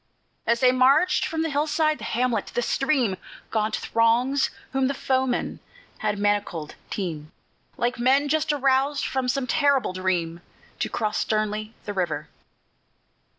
As they march, from the hillside, the hamlet, the stream, Gaunt throngs whom the foemen had manacled, teem, Like men just aroused from some terrible dream, To cross sternly the river.